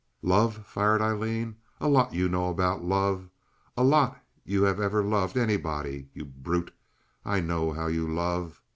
"Love!" fired Aileen. "A lot you know about love! A lot you have ever loved anybody, you brute! I know how you love.